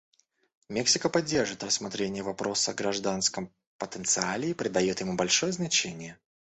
Мексика поддерживает рассмотрение вопроса о гражданском потенциале и придает ему большое значение.